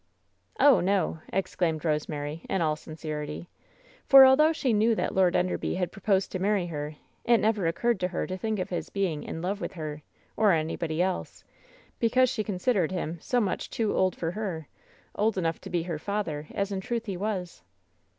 "Oh, noP' exclaimed Rosemary, in all sincerity; for although she knew that Lord Enderby had proposed to marry her, it never occurred to her to think of his being "in love" with her, or anybody eke, because she consid ered him so much too old for her — old enough to be her father, as in truth he was.